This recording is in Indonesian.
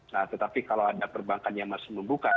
nah tetapi kalau ada perbankan yang masih membuka